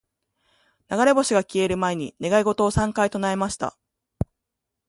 •流れ星が消える前に、願い事を三回唱えました。